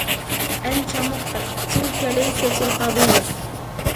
أنتَ مخطئ, تلك ليست القضية.